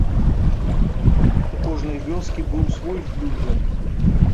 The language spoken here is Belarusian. У кожнай вёскі быў свой флюгер.